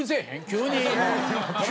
急に。